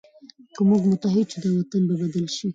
که موږ متحد شو، دا وطن به بدل شي.